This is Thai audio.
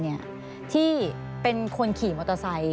อันดับที่สุดท้าย